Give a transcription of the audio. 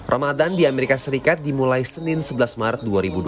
ramadan di amerika serikat dimulai senin sebelas maret dua ribu dua puluh